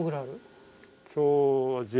今日は。